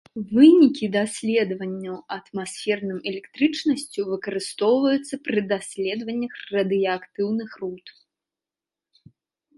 Вынікі даследаванняў атмасферным электрычнасцю выкарыстоўваюцца пры даследаваннях радыеактыўных руд.